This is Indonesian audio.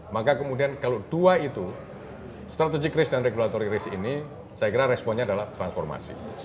maka kemudian kalau dua itu strategic risk dan regulatory risk ini saya kira responnya adalah transformasi